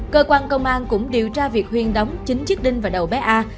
cơ quan công an cũng điều tra việc huyên đóng chính chiếc đinh vào đầu bé a